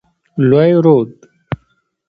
لوی رود.